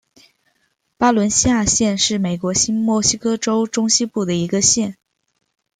巴伦西亚县是美国新墨西哥州中西部的一个县。